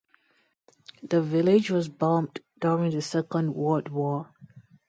The village was bombed during the Second World War.